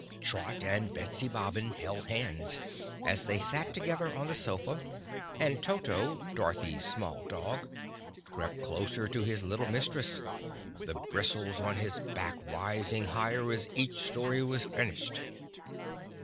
Trot and Betsy Bobbin held hands as they sat together on the sofa, and Toto, Dorothy's small dog, crept closer to his little mistress, the bristles on his back rising higher as each story was finished.